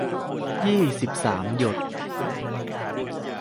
ยี่สิบสาม หยด